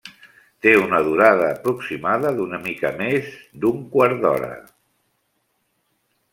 Té una durada aproximada d’una mica més quart d'hora.